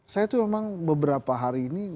saya tuh memang beberapa hari ini